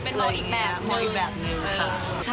เป็นมองอีกแบบหนึ่งค่ะ